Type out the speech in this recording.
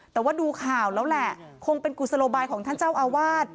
แต่ว่าดูข่าวแล้วแหละคงเป็นกุศโลบายของท่านเจ้าอาวาส